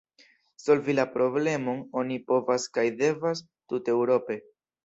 Solvi la problemon oni povas kaj devas tuteŭrope.